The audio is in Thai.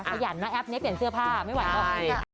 อ่าอย่ามาแอปนี้เปลี่ยนเสื้อผ้าไม่ไหวเหรอ